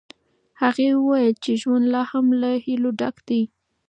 هغې وویل چې ژوند لا هم له هیلو ډک دی.